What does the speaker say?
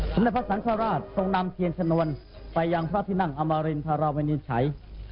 เด็จพระสังฆราชทรงนำเทียนชนวนไปยังพระที่นั่งอมรินพระราวินิจฉัย